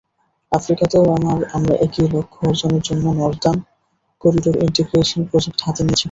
আফ্রিকাতেও আমরা একই লক্ষ্য অর্জনের জন্য নর্দান করিডর ইন্টিগ্রেশন প্রজেক্ট হাতে নিয়েছি।